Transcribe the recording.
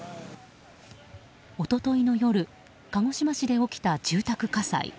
一昨日の夜、鹿児島市で起きた住宅火災。